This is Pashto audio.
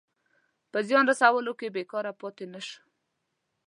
په زیان رسولو کې بېکاره پاته نه شو.